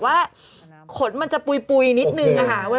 โอเคโอเคโอเคโอเค